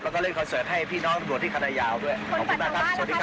แล้วก็เล่นคอนเสิร์ตให้พี่น้องตำรวจที่คณะยาวด้วยขอบคุณมากครับสวัสดีครับ